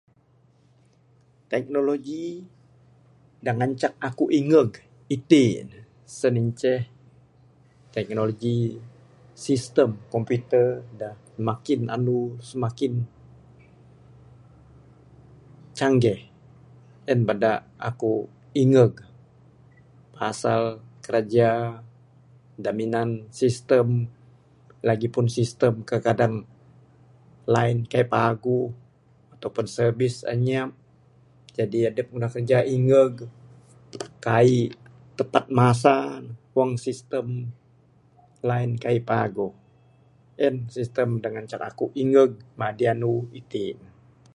Teknoloji da ngancak akuk ingeg iti' ne sen inceh teknoloji sistem komputer da makin andu semakin canggih. En bada' akuk ingeg pasal kiraja da minan sistem, Lagik pun sistem kekadang line kaik paguh atau pun servis anyap. Jadi adup ngundah kerja ingeg. Kaik tepat masa wang sistem line kaik paguh. En sistem da ngancak akuk ingeg, madi andu iti'.